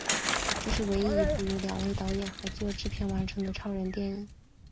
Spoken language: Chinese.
这是唯一一部由两位导演合作制片完成的超人电影。